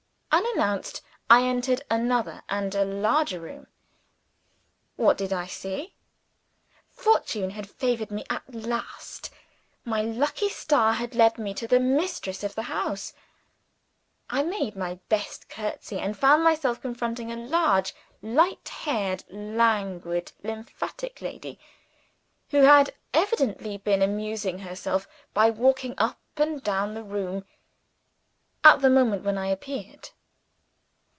Unannounced, I entered another, and a larger room. What did I see? Fortune had favored me at last. My lucky star had led me to the mistress of the house. I made my best curtsey, and found myself confronting a large, light haired, languid, lymphatic lady who had evidently been amusing herself by walking up and down the room, at the moment when I appeared.